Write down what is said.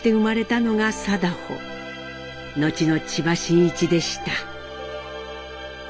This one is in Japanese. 後の千葉真一でした。